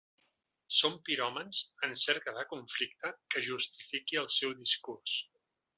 Són piròmans en cerca del conflicte que justifiqui el seu discurs.